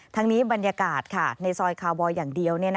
นี้บรรยากาศในซอยคาวบอยอย่างเดียว